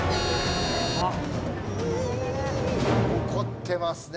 怒ってますね。